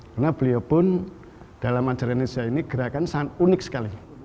karena beliopun dalam ajaran indonesia ini gerakan sangat unik sekali